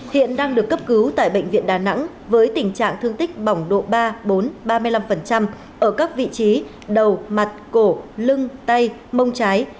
hiện đang được cấp cứu tại bệnh viện đà nẵng với tình trạng thương tích bỏng độ ba bốn ba mươi năm ở các vị trí đầu mặt cổ lưng tay mông trái